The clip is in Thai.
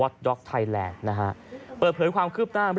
และถือเป็นเคสแรกที่ผู้หญิงและมีการทารุณกรรมสัตว์อย่างโหดเยี่ยมด้วยความชำนาญนะครับ